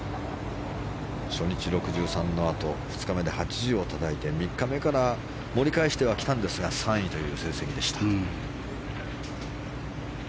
初日６３のあと２日目で８０をたたいて３日目から盛り返してはきたんですが３位という成績でした。